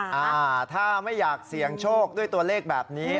อ่าถ้าไม่อยากเสี่ยงโชคด้วยตัวเลขแบบนี้